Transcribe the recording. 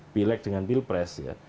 pilek dengan pilpres ya